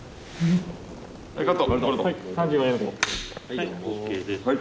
はいＯＫです。